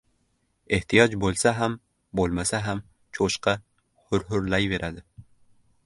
• Ehtiyoj bo‘lsa ham, bo‘lmasa ham cho‘chqa hurhurlayveradi.